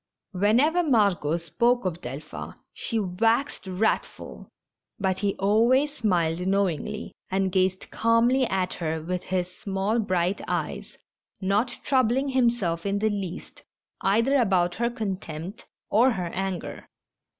203 Whenever Margot spoke of Delphin she waxed wrath ful, but he always smiled knowingly, and gazed calmly at her with his small, bright eyes, not troubling himself in the least either about her contempt or her anger.